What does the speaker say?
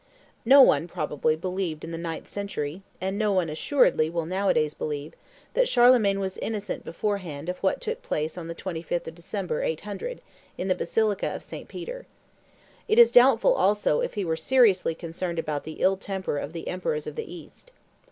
No one, probably, believed in the ninth century, and no one, assuredly, will nowadays believe, that Charlemagne was innocent beforehand of what took place on the 25th of December, 800, in the basilica of St. Peter. It is doubtful, also, if he were seriously concerned about the ill temper of the emperors of the East.